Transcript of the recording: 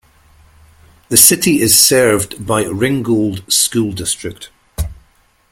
The City is served by Ringgold School District.